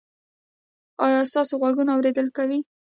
ایا ستاسو غوږونه اوریدل کوي؟